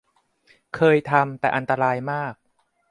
เคยทำ แต่อันตรายมาก